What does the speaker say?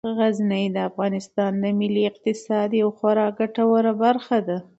غزني د افغانستان د ملي اقتصاد یوه خورا ګټوره برخه ده.